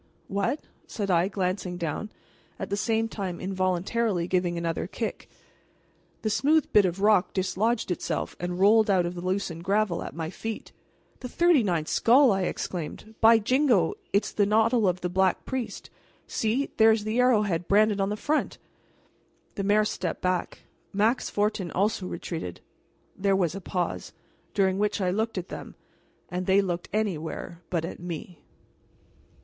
"What?" said I, glancing down, at the same time involuntarily giving another kick. The smooth bit of rock dislodged itself and rolled out of the loosened gravel at my feet. "The thirty ninth skull!" I exclaimed. "By jingo, it's the noddle of the Black Priest! See! there is the arrowhead branded on the front!" The mayor stepped back. Max Fortin also retreated. There was a pause, during which I looked at them, and they looked anywhere but at me.